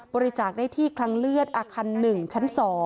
บริจาคได้ที่คลังเลือดอาคาร๑ชั้น๒